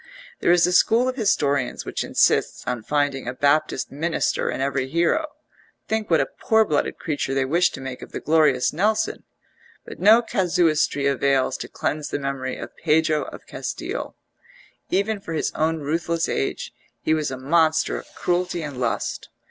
There is a school of historians which insists on finding a Baptist Minister in every hero think what a poor blooded creature they wish to make of the glorious Nelson but no casuistry avails to cleanse the memory of Pedro of Castille: even for his own ruthless age he was a monster of cruelty and lust.